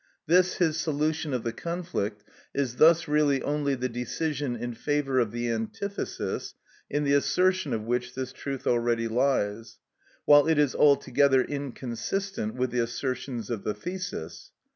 This his solution of the conflict is thus really only the decision in favour of the antithesis in the assertion of which this truth already lies, while it is altogether inconsistent with the assertions of the thesis.